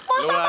mau satu mbak